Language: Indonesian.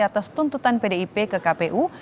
atas tuntutan pdip ke kpu